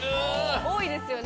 多いですよね。